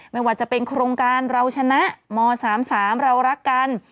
ไม่ว่าจะเป็นโครงการเราชนะม๓๓เรารักกัน